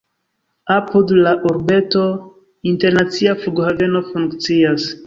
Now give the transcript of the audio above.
Apud la urbeto internacia flughaveno funkcias.